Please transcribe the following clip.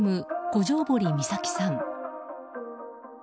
五條堀美咲さん。